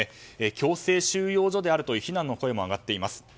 強制収容所であるという非難の声も上がっています。